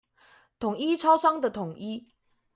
統一超商的統一